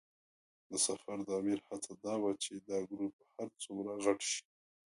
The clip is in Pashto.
د سفر د امیر هڅه دا وه چې دا ګروپ هر څومره غټ شي.